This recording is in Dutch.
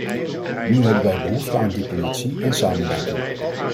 Nu hebben wij behoefte aan diplomatie en samenwerking.